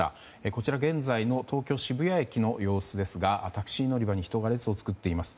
こちら、現在の東京・渋谷駅の様子ですがタクシー乗り場に人が列を作っています。